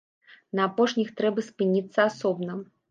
На апошніх трэба спыніцца асобна.